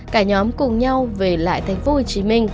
cả nhóm cùng nhau về lại tp hcm